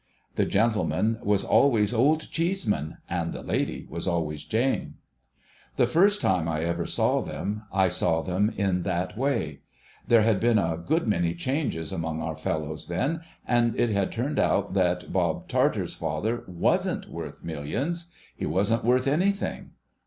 The gentleman was always Old Cheeseman, and the lady was always Jane. The first time I ever saw them, I saw them in that way. There had been a good many changes among our fellows then, and it had turned out that Bob Tarter's father wasn't worth Millions ! He wasn't worth anything.